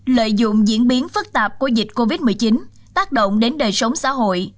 lợi dụng diễn biến phức tạp của dịch covid một mươi chín tác động đến đời sống xã hội